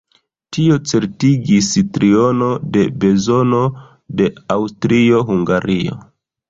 Tio certigis triono de bezono de Aŭstrio-Hungario.